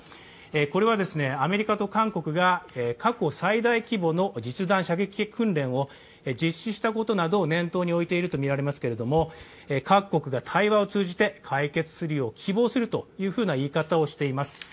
これはアメリカと韓国が過去最大規模の実弾射撃訓練を実施したことなどを念頭に置いているとみられていますけれども、各国が対話を置いて解決するよう希望するという言い方をしています。